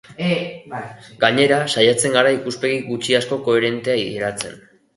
Gainera, saiatzen gara ikuspegi gutxi-asko koherentea eratzen.